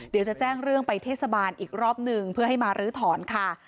เดี๋ยวจะแจ้งเรื่องไปเทศบาลอีกรอบหนึ่งเพื่อให้มาลื้อถอนค่ะ